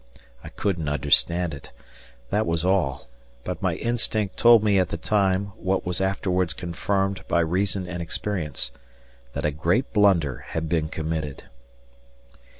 I couldn't understand it that was all but my instinct told me at the time what was afterwards confirmed by reason and experience that a great blunder had been committed.